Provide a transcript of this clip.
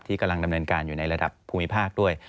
กำลังดำเนินการอยู่ในระดับภูมิภาคด้วย